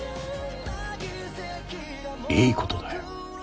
いいことだよ。